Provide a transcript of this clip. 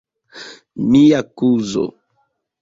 Mia kuzo.